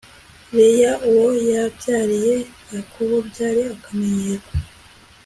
Leya uwo yabyariye Yakobo byari akamenyero